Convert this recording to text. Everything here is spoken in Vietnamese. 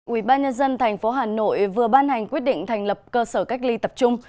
ủy ban nhân dân tp hà nội vừa ban hành quyết định thành lập cơ sở cách ly tập trung